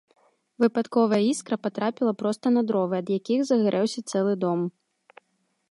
Выпадковая іскра патрапіла проста на дровы, ад якіх загарэўся цэлы дом.